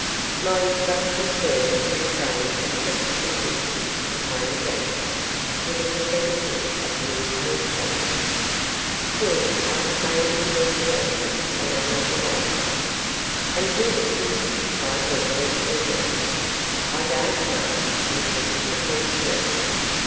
"My instructions were to refrain from questioning him," complained Dangloss, with a pathetic look at the original plotters. "Still, I have made investigations along other lines." "And who is he?" cried Beverly, eagerly. "I don't know," was the disappointing answer.